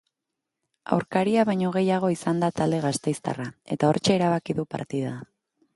Aurkaria baino gehiago izan da talde gasteiztarra, eta hortxe erabaki du partida.